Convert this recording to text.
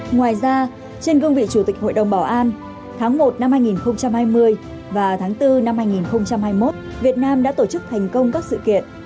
ngoài ra trên cương vị chủ tịch hội đồng bảo an tháng một năm hai nghìn hai mươi và tháng bốn năm hai nghìn hai mươi một việt nam đã tổ chức thành công các sự kiện